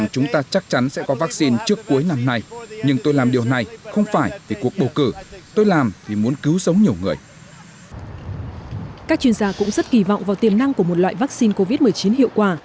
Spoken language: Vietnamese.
các chuyên gia cũng rất kỳ vọng vào tiềm năng của một loại vaccine covid một mươi chín hiệu quả